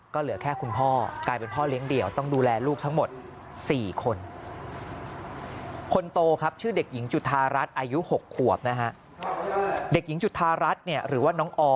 ก็เหลือแค่คุณพ่อกลายเป็นพ่อเลี้ยงเดี่ยว